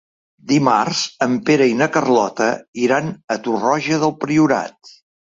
Dimarts en Pere i na Carlota iran a Torroja del Priorat.